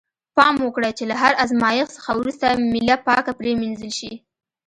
پام وکړئ چې له هر آزمایښت څخه وروسته میله پاکه پرېمینځل شي.